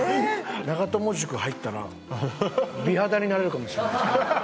長友塾入ったら美肌になれるかもしれないですね。